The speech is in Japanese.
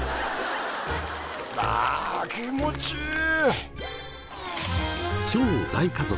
ああ気持ちいい！